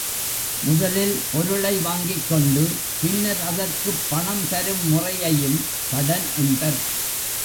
முதலில் பொருளை வாங்கிக்கொண்டு பின்னர் அதற்குப் பணம் தரும் முறையையும் கடன் என்பர்